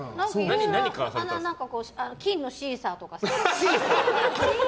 金のシーサーとかさ。